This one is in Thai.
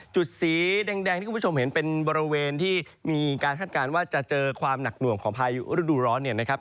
จุดสีแดงที่คุณผู้ชมเห็นเป็นบริเวณที่มีการคาดการณ์ว่าจะเจอความหนักหน่วงของพายุฤดูร้อนเนี่ยนะครับ